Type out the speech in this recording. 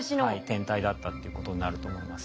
天体だったっていうことになると思います。